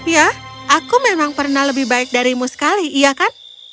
ya aku memang pernah lebih baik darimu sekali iya kan